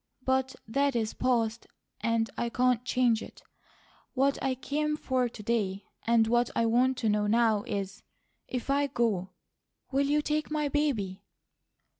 But that is past, and I can't change it. What I came for to day, and what I want to know now is, if I go, will you take my baby?"